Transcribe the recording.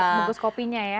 bungkus kopinya ya